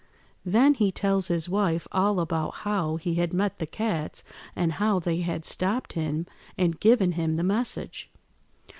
"Then he tells his wife all about how he had met the cats, and how they had stopped him and given him the message.